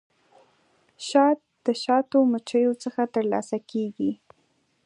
شات د شاتو مچیو څخه ترلاسه کیږي